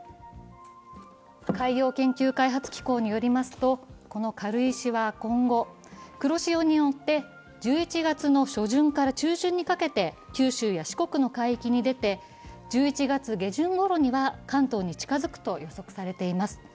海洋研究開発機構によりますとこの軽石は今後、黒潮に乗って１１月の初旬から中旬にかけて九州や四国の海域に出て、１１月下旬ごろには関東に近づくと予測されています。